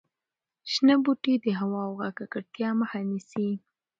شنه بوټي د هوا او غږ د ککړتیا مخه نیسي.